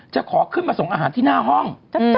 ขอขึ้นมาส่งอาหารที่หน้าห้อง